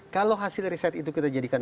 kalau hasil riset itu kita jadikan